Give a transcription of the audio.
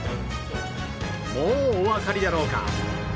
もうおわかりだろうか